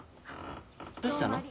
どうしたの？